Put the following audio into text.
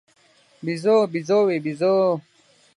بیزو، بیزووې، بیزوو